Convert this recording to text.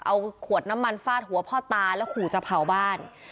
เอาขวดน้ำมันฟาดหัวพ่อตาแล้วขู่จะเผาบ้าน